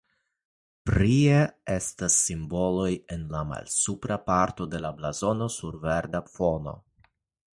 Prie estas simboloj en la malsupra parto de la blazono sur verda fono.